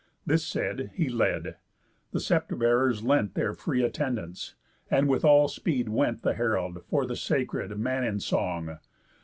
This said, he led. The sceptre bearers lent Their free attendance; and with all speed went The herald for the sacred man in song.